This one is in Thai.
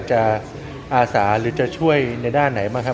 อาสาหรือจะช่วยในด้านไหนบ้างครับ